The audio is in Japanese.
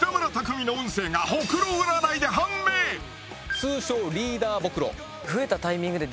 通称リーダーホクロ。